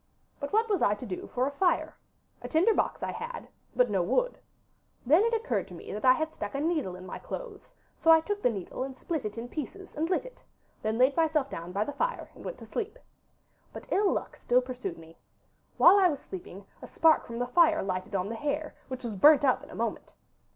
But what was I to do for a fire? A tinder box I had, but no wood. Then it occurred to me that I had stuck a needle in my clothes, so I took the needle and split it in pieces, and lit it, then laid myself down by the fire and went to sleep. But ill luck still pursued me. While I was sleeping a spark from the fire lighted on the hair, which was burnt up in a moment.